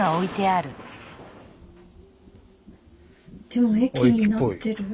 でも駅になってる。